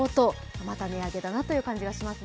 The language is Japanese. また値上げだなという感じがしますね。